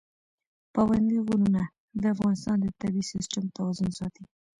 پابندی غرونه د افغانستان د طبعي سیسټم توازن ساتي.